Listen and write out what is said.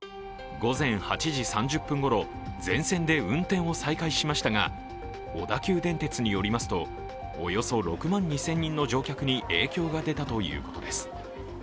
午前８時３０分ごろ全線で運転を再開しましたが小田急電鉄によりますと、およそ６万２０００人の乗客に影響が出たということです。